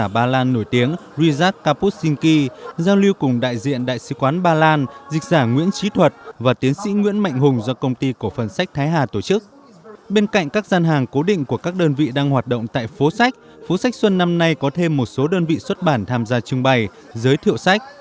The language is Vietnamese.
bên cạnh các gian hàng cố định của các đơn vị đang hoạt động tại phố sách phố sách xuân năm nay có thêm một số đơn vị xuất bản tham gia trưng bày giới thiệu sách